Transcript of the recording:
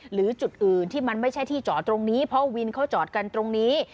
หรือจุดอื่นที่มันไม่ใช่ที่จอดตรงนี้เพราะวินเขาจอดกันตรงนี้